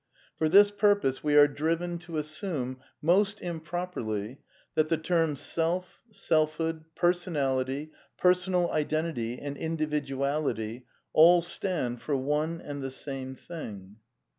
For this purpose we are driven to bb . sume, most improperly, that the terms Self, Selfhood, Per sonality, Personal Identity, and Individuality all stand for . one and the same thing.